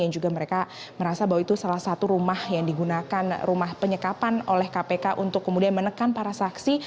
yang juga mereka merasa bahwa itu salah satu rumah yang digunakan rumah penyekapan oleh kpk untuk kemudian menekan para saksi